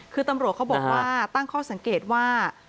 คือตำรวจเขาบอกว่าตั้งข้อสังเกตว่า